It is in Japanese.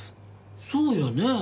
そうよね。